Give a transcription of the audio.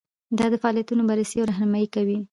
دا د فعالیتونو بررسي او رهنمایي کوي.